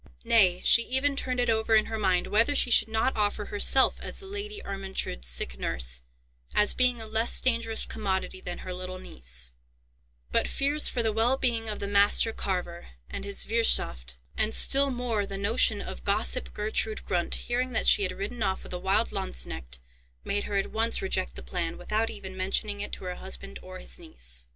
Nay, she even turned it over in her mind whether she should not offer herself as the Lady Ermentrude's sick nurse, as being a less dangerous commodity than her little niece: but fears for the well being of the master carver, and his Wirthschaft, and still more the notion of gossip Gertrude Grundt hearing that she had ridden off with a wild lanzknecht, made her at once reject the plan, without even mentioning it to her husband or his niece.